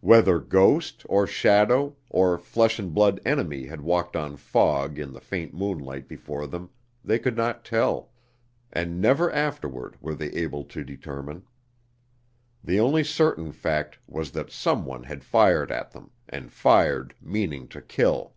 Whether ghost, or shadow, or flesh and blood enemy had walked on fog in the faint moonlight before them, they could not tell, and never afterward were they able to determine. The only certain fact was that some one had fired at them, and fired meaning to kill!